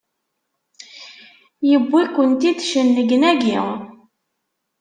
Yewwi-kent-id cennegnagi!